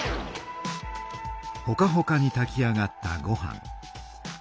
ほかほかにたき上がったごはん。